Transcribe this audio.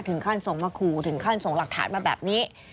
ถึงขั้นส่งมาขู่ถึงขั้นส่งหลักฐานมาแบบนี้